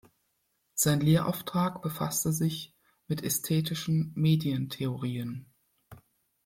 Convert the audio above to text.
Sein Lehrauftrag befasste sich mit „Ästhetischen Medientheorien“.